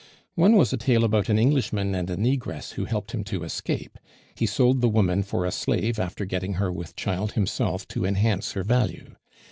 "One was a tale about an Englishman and a negress who helped him to escape; he sold the woman for a slave after getting her with child himself to enhance her value.